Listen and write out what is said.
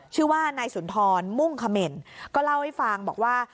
ชื่อว่านายสุนทรมุ่งเขม่นก็เล่าให้ฟังบอกว่า